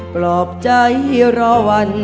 ปลอบใจรอวัน